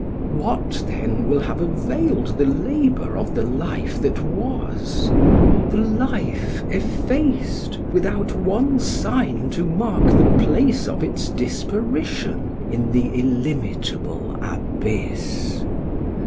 • What, then, will have availed the labour of the life that was, — the life efBiced without one sign to mark the place of its disparidon in the illimitable abyss